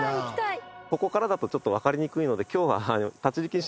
ここからだとちょっと分かりにくいので今日は。